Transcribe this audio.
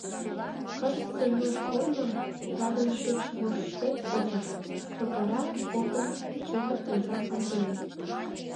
Кызытсе илыш корным ладын шикш воштет от уж, — сотара попым кевыт оза Пантелей.